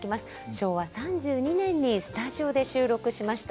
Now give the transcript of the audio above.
昭和３２年にスタジオで収録しました